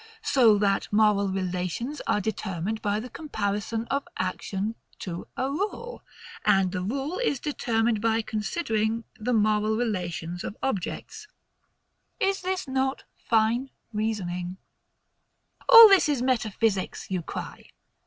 So that moral relations are determined by the comparison of action to a rule. And that rule is determined by considering the moral relations of objects. Is not this fine reasoning? All this is metaphysics, you cry.